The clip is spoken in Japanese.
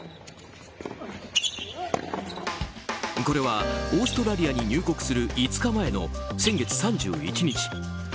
これはオーストラリアに入国する５日前の先月３１日。